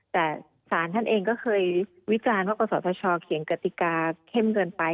แต่ศาลท่านเองก็เคยวิจารณ์ว่ากศธชเขียนกติกาเข้มเกินไป